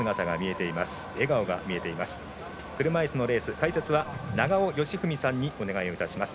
車いすのレース解説は永尾嘉章さんにお願いいたします。